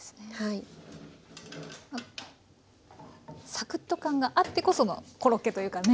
サクッと感があってこそのコロッケというかね。